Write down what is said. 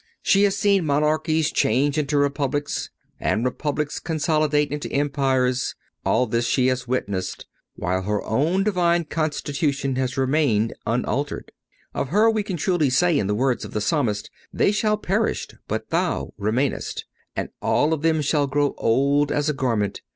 She has seen monarchies changed into republics, and republics consolidated into empires—all this has she witnessed, while her own Divine Constitution has remained unaltered. Of Her we can truly say in the words of the Psalmist: "They shall perish, but thou remainest; and all of them shall grow old as a garment.